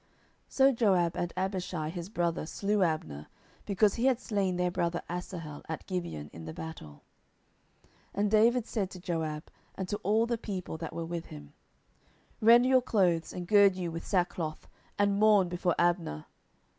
10:003:030 So Joab, and Abishai his brother slew Abner, because he had slain their brother Asahel at Gibeon in the battle. 10:003:031 And David said to Joab, and to all the people that were with him, Rend your clothes, and gird you with sackcloth, and mourn before Abner.